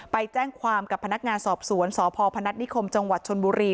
ไปแจ้งความกับพนักงานสอบสวนสพพนัฐนิคมจังหวัดชนบุรี